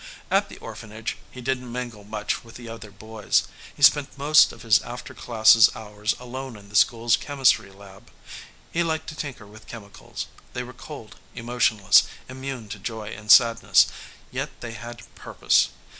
At the orphanage he didn't mingle much with the other boys. He spent most of his after classes hours alone in the school's chemistry lab. He liked to tinker with chemicals. They were cold, emotionless, immune to joy and sadness, yet they had purpose.